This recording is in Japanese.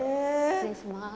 失礼します。